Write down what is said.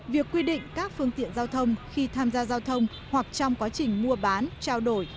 việc quy định các phương tiện giao thông khi tham gia giao thông hoặc trong quá trình mua bán trao đổi